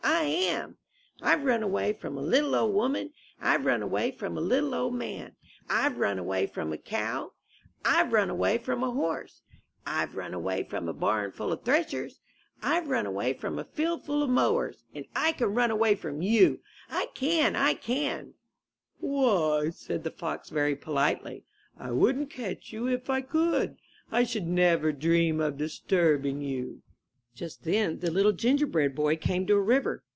I am! '^ I've run away from a little old woman, 0^^jjt I've run away from a little old man, /f!^^S^\y^ run away from a cow, 127 MY BOOK HOUSE Fve run away from a horse, Tve run away from a barn full of threshers, Tve run away from a field full of mowers, And I can run away from you, I can! I canT* Why,'' said the fox very politely, *'I wouldn't catch you if I could. I should never dream of disturbing you/' Just then the Little Gingerbread Boy came to a river.